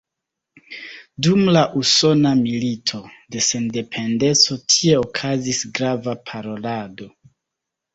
Dum la Usona Milito de Sendependeco tie okazis grava parolado.